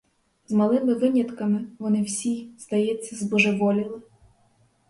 З малими винятками вони всі, здається, збожеволіли.